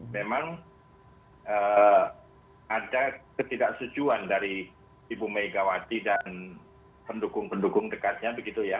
memang ada ketidaksetujuan dari ibu megawati dan pendukung pendukung dekatnya begitu ya